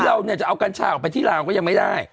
หรือเราจะเอาการช่าออกไปที่รามก็ยังไม่ได้